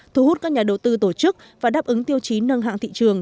thu hút các nhà đầu tư tổ chức và đáp ứng tiêu chí nâng hạng thị trường